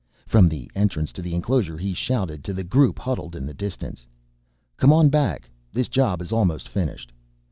From the entrance to the enclosure he shouted to the group huddled in the distance. "Come on back this job is almost finished."